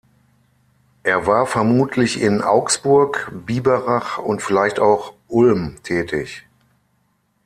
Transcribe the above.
Er war vermutlich in Augsburg, Biberach und vielleicht auch Ulm tätig.